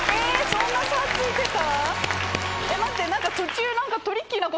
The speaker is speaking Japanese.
そんな差ついてた⁉